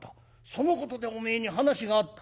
そのことでおめえに話があった」。